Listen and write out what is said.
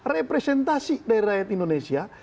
representasi dari rakyat indonesia